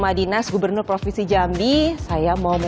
nah ini dia gubernur provinsi jambi bapak al haris